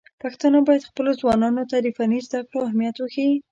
پښتانه بايد خپلو ځوانانو ته د فني زده کړو اهميت وښيي.